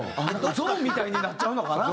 ゾーンみたいになっちゃうのかな？